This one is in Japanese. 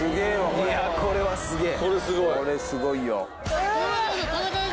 いやこれはすげえ。